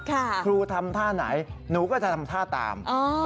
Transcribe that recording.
ครูทำท่าไหนหนูก็จะทำท่าตาม